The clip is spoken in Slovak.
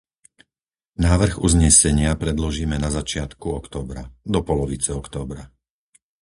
Návrh uznesenia predložíme na začiatku októbra, do polovice októbra.